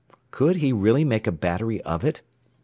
Could he really make a battery of it?